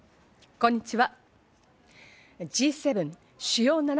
こんにちは。